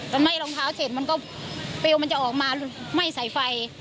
มันไม่รองเท้าเสร็จมันก็มาไม่ใส่ไฟ